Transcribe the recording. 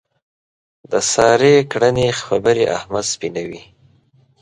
د سارې کړنې خبرې احمد سپینوي.